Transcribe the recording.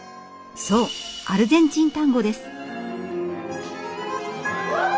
そうアルゼンチンタンゴです！